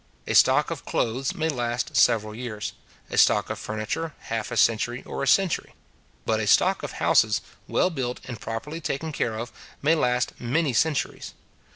A stock of clothes may last several years; a stock of furniture half a century or a century; but a stock of houses, well built and properly taken care of, may last many centuries.